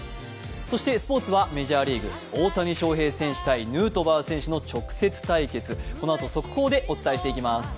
そしてスポーツはメジャーリーグ大谷翔平選手×ヌートバー選手の直接対決、このあと速報でお伝えしていきます。